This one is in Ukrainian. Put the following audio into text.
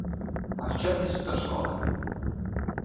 А вчитись до школи.